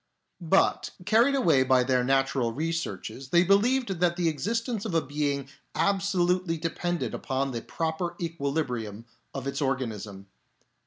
But carried away by their natural researches they believed 26 NATURALISTS AND THEISTS that the existence of a being absolutely depended upon the proper equilibrium of its organism.